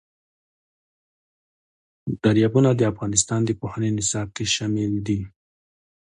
دریابونه د افغانستان د پوهنې نصاب کې شامل دي.